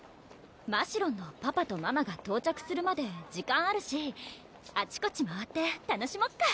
ましろんのパパとママが到着するまで時間あるしあちこち回って楽しもっか？